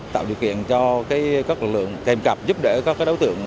tạo điều kiện cho các lực lượng kèm cặp giúp đỡ các đối tượng